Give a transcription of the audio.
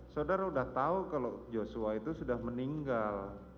saudara sudah tahu kalau joshua itu sudah meninggal